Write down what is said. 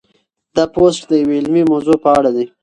دا پوسټ د یوې علمي موضوع په اړه دی.